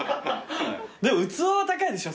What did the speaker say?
でも器は高いでしょ